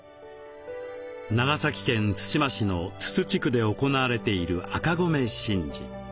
長崎県対馬市の豆酘地区で行われている「赤米神事」。